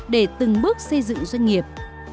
để từng bước xây dựng doanh nghiệp